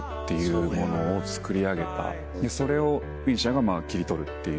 それをウィン・シャが切り取るっていう。